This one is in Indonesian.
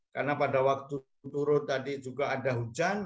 karena pada waktu turut tadi juga ada hujan